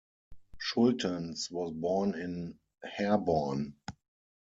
Shultens was born in Herborn.